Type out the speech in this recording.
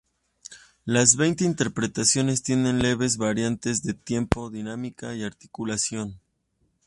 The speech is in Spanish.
Las veinte interpretaciones tienen leves variantes de "tempo", dinámica y articulación.